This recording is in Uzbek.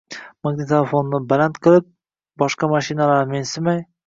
magnitofonni baland qilib, boshqa mashinalarni mensimay